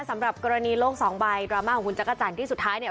สำหรับกรณีโลกสองใบดราม่าของคุณจักรจันทร์ที่สุดท้ายเนี่ย